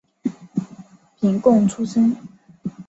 廪贡出身。